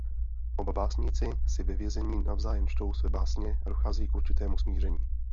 Oba básníci si ve vězení navzájem čtou své básně a docházejí k určitému smíření.